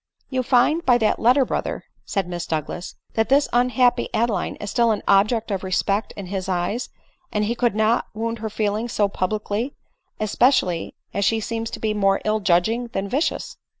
" You i find by that letter, brother," said Miss Douglas, " that this unhappy Adeline is still an object of respect in his eyes, and he could not wound her feelings so public ly, especially as she seems to be more ill judging than vicious."